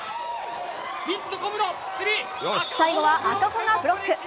最後は赤穂がブロック。